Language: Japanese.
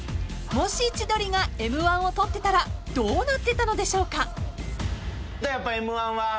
［もし千鳥がＭ−１を取ってたらどうなってたのでしょうか］